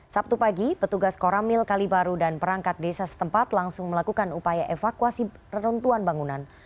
sabtu pagi petugas koramil kalibaru dan perangkat desa setempat langsung melakukan upaya evakuasi reruntuhan bangunan